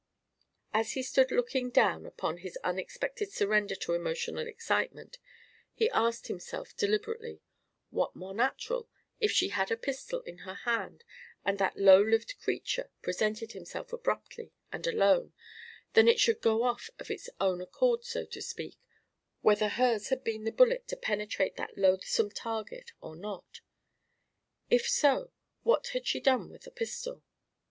As he stood looking down upon his unexpected surrender to emotional excitement, he asked himself deliberately: What more natural, if she had a pistol in her hand and that low lived creature presented himself abruptly and alone, than that it should go off of its own accord, so to speak, whether hers had been the bullet to penetrate that loathsome target or not? If so, what had she done with the pistol?